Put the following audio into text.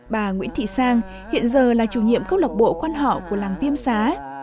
bà nguyễn thị sang hiện giờ là chủ nhiệm cốc lộc bộ quan họ của làng viêm xá